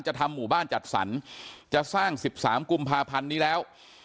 ทำหมู่บ้านจัดสรรจะสร้าง๑๓กุมภาพันธ์นี้แล้ว